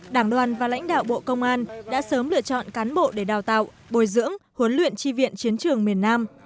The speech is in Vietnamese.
đảng đoàn và lãnh đạo bộ công an đã sớm lựa chọn cán bộ để đào tạo bồi dưỡng huấn luyện chi viện chiến trường miền nam